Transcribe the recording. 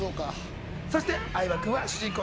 そして相葉君は主人公